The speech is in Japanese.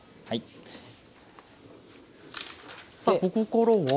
さあここからは。